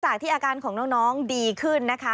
ที่อาการของน้องดีขึ้นนะคะ